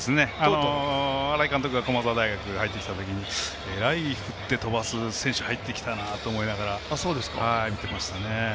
新井監督が駒沢大学入ってきたときにえらい振って飛ばす選手が入ってきたなと思って見ていましたね。